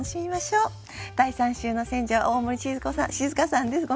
第３週の選者は大森静佳さんです。